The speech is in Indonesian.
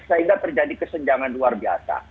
sehingga terjadi kesenjangan luar biasa